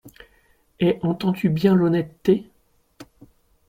Et entends-tu bien l’honnêteté ?